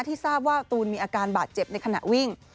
ทราบว่าตูนมีอาการบาดเจ็บในขณะวิ่ง